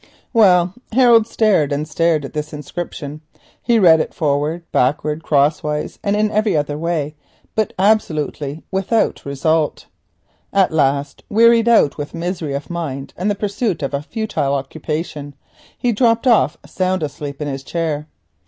_" Harold stared and stared at this inscription. He read it forwards, backwards, crossways, and in every other way, but absolutely without result. At last, wearied out with misery of mind and the pursuit of a futile occupation, he dropped off sound asleep in his chair.